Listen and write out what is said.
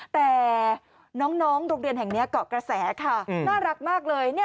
แต่น้องโรงเรียนแห่งนี้เกาะกระแสค่ะน่ารักมากเลย